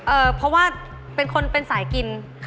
เพราะว่าเป็นคนเป็นสายกิน